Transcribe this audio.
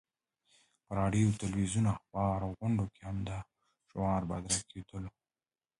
په راډیو، تلویزیون، اخبار او غونډو کې همدا شعار بدرګه کېدلو.